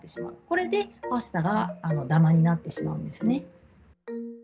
これでパスタがダマになってしまうんですね。